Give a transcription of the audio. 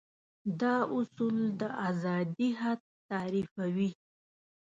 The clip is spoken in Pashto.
دا اصول د ازادي حد تعريفوي.